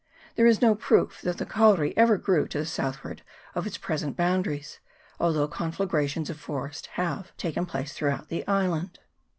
There is no proof that the kauri ever grew to the southward of its present boundaries, although conflagrations of forest have taken place throughout the island.